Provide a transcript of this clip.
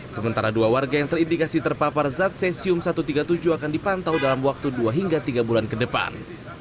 sementara dua warga yang terindikasi terpapar zat cesium satu ratus tiga puluh tujuh akan dipantau dalam waktu dua hingga tiga bulan ke depan